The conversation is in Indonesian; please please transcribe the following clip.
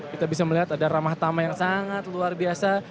kita bisa melihat ada ramah tamah yang sangat luar biasa